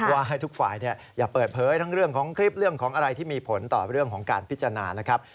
ว่าให้ทุกฝ่ายอย่าเปิดเผยทั้งเรื่องของคลิปเรื่องของอะไรที่มีผลต่อเรื่องของการพิจารณานะครับ